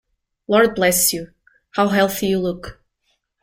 Lord bless you, how healthy you look!